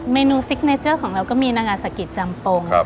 เมนูซิกเนเจอร์ของเราก็มีนางาสะกิดจำปง